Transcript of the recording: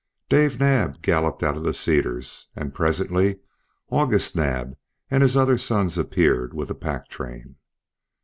Dave Naab galloped out of the cedars, and presently August Naab and his other sons appeared with a pack train.